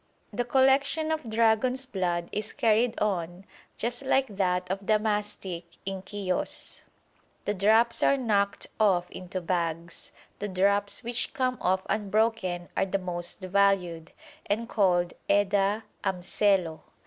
The collection of dragon's blood is carried on just like that of the mastic in Chios. The drops are knocked off into bags. The drops which come off unbroken are the most valued, and called edah amsello.